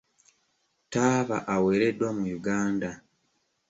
Taaba awereddwa mu Uganda.